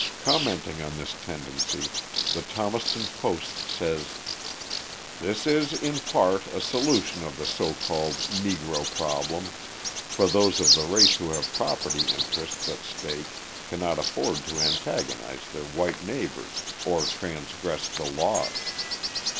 Commenting on this tendency, the Thomaston Post says: This is, in part, a solution of the so called Negro problem, for those of the race who have property interests at stake cannot afford to antagonise their white neighbours or transgress the laws.